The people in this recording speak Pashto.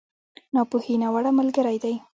ناپوهي، ناوړه ملګری دی.